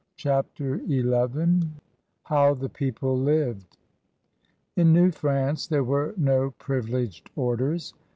CHAPTER XI HOW THE PEOPLE LIVED In New France there were no privileged orders.